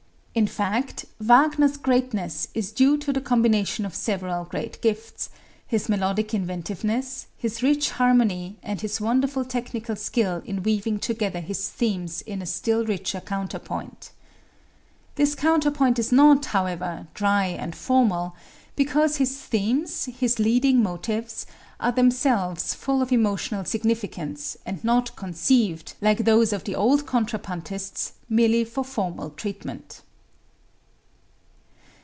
In fact, Wagner's greatness is due to the combination of several great gifts his melodic inventiveness, his rich harmony and his wonderful technical skill in weaving together his themes in a still richer counterpoint. This counterpoint is not, however, dry and formal, because his themes his leading motives are themselves full of emotional significance and not conceived, like those of the old contrapuntists, merely: for formal treatment.